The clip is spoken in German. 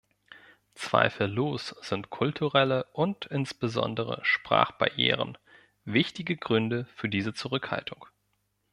Zweifellos sind kulturelle und insbesondere Sprachbarrieren wichtige Gründe für diese Zurückhaltung.